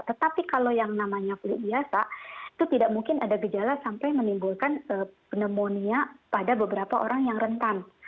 tetapi kalau yang namanya fluk biasa itu tidak mungkin ada gejala sampai menimbulkan pneumonia pada beberapa orang yang rentan